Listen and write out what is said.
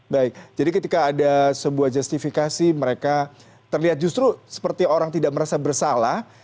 baik jadi ketika ada sebuah justifikasi mereka terlihat justru seperti orang tidak merasa bersalah